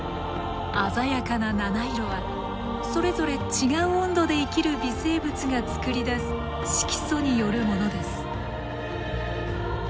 鮮やかな７色はそれぞれ違う温度で生きる微生物が作り出す色素によるものです。